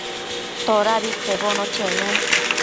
Todabi bedbono chenun